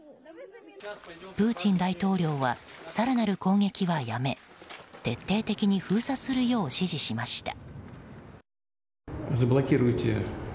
プーチン大統領は更なる攻撃はやめ徹底的に封鎖するよう指示しました。